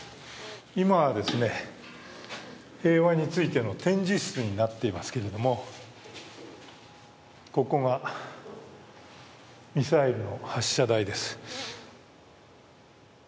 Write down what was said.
今は、平和についての展示室になっていますけれども、ここがミサイルの発射台です。